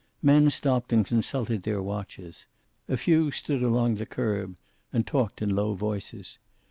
Men stopped and consulted their watches. A few stood along the curb, and talked in low voices.